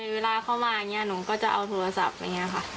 เวลาเขามายังงี้หนูก็จะเอาโทรศัพท์ไป